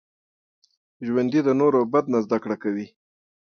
ژوندي د نورو بد نه زده کړه کوي